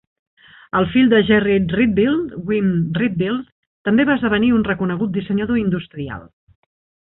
El fill de Gerrit Rietveld, Wim Rietveld, també va esdevenir un reconegut dissenyador industrial.